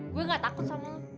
gue gak takut sama